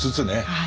はい。